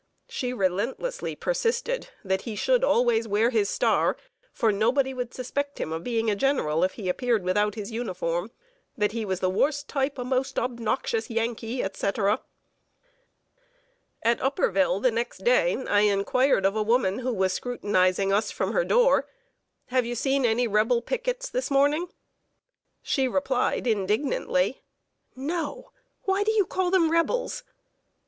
She relentlessly persisted that he should always wear his star, for nobody would suspect him of being a general if he appeared without his uniform that he was the worst type of the most obnoxious Yankee, etc. At Upperville, the next day, I inquired of a woman who was scrutinizing us from her door: "Have you seen any Rebel pickets this morning?" She replied, indignantly: "No! Why do you call them Rebels?"